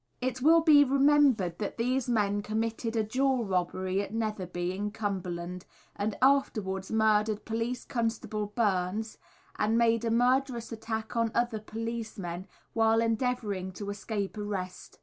It will be remembered that these men committed a jewel robbery at Netherby, in Cumberland, and afterwards murdered police constable Byrnes and made a murderous attack on other policemen, while endeavouring to escape arrest.